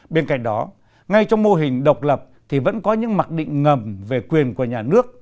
bên cạnh đó ngay trong mô hình độc lập thì vẫn có những mặc định ngầm về quyền của nhà nước